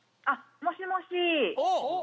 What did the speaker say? あっもしもし。